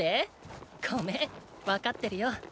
ごめん分かってるよ。